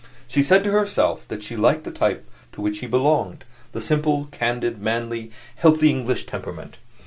She said to herself that she liked the type to which he belonged the simple, candid, manly, healthy English temperament.